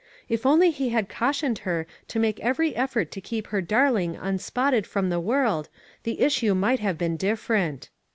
If only he had cautioned her to make every effort to keep her darling unspotted from the world, the issue might have been dif ferent.